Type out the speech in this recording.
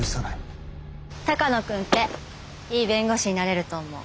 鷹野君っていい弁護士になれると思う。